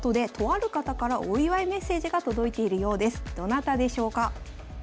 どなたでしょうか。